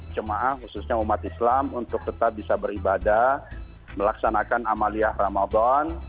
jemaah khususnya umat islam untuk tetap bisa beribadah melaksanakan amaliyah ramadan